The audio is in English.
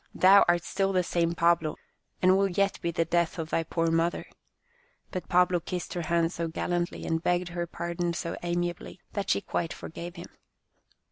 " Thou art still the same Pablo, and will yet be the death of thy poor mother," but Pablo kissed her hand so gallantly, and begged her pardon so amiably, that she quite forgave him.